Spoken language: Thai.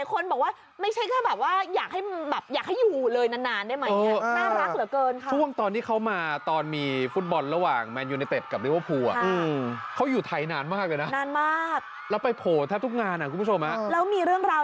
กรี๊ดแบบรั่นสนามบินสนามบินแทบเอาแล้วใครมา